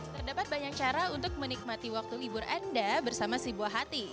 terdapat banyak cara untuk menikmati waktu libur anda bersama si buah hati